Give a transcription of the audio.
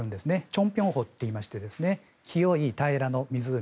チョンピョンホと言いまして清い平らの湖。